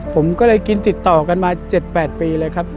ผมก็เลยกินติดต่อกันมา๗๘ปีเลยครับ